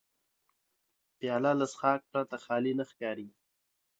پیاله له څښاک پرته خالي نه ښکاري.